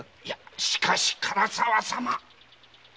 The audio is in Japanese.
しかし唐沢様！